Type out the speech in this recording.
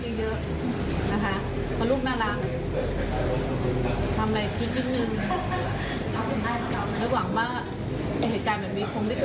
รมแล้วจะขอโทษสำหรับคนไงที่ก็ดูกิจอยู่ให้พูดเลยก็มีโอกาสไปดูแล้ว